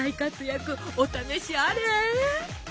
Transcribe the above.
お試しあれ！